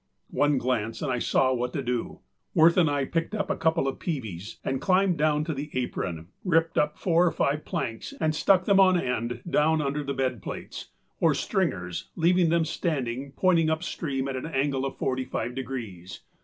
One glance and I saw what to do. Wirth and I picked up a couple of peavies, and climbing down to the apron, ripped up four or five planks and stuck them on end down under the bed plates, or stringers, leaving them standing pointing up stream at an angle of forty five degrees.